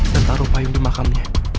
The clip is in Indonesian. dan taruh payung di makamnya